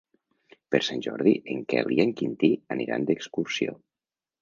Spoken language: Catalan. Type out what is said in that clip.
Per Sant Jordi en Quel i en Quintí aniran d'excursió.